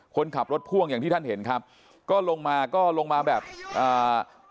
คนขับรถพ่วงอย่างที่ท่านเห็นครับก็ลงมาก็ลงมาแบบอ่า